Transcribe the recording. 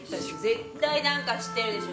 絶対なんか知ってるでしょ。